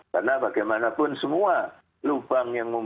karena bagaimanapun semua lubang yang mungkin